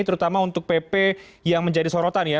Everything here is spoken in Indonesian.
terutama untuk pp yang menjadi sorotan ya